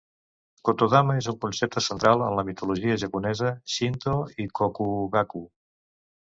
"Kotodama" és un concepte central en la mitologia japonesa, Shinto, i Kokugaku.